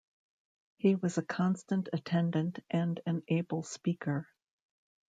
He was a constant attendant and an able speaker.